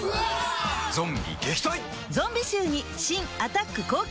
ゾンビ撃退！